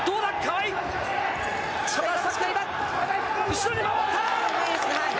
後ろに回った！